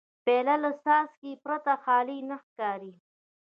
پیاله له څښاک پرته خالي نه ښکاري.